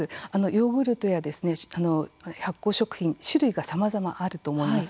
ヨーグルトや発酵食品種類がさまざまあると思います。